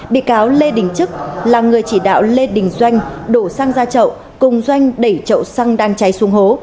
bị cáo lê đình trức là người chỉ đạo lê đình doanh đổ xăng ra chậu cùng doanh đẩy chậu xăng đang cháy xuống hố